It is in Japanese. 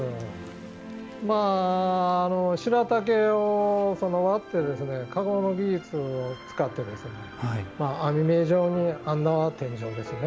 白竹を割って籠の技術を使って網目状に編んだ天井ですね。